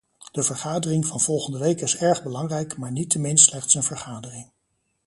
De vergadering van volgende week is erg belangrijk, maar niettemin slechts een vergadering.